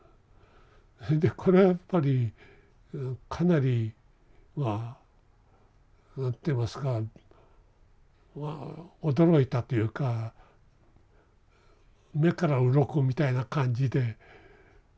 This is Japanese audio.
それでこれはやっぱりかなりまあ何て言いますかまあ驚いたというか目からうろこみたいな感じで受け止めたんです。